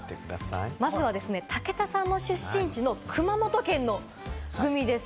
まずは武田さんの出身地の熊本県のグミです。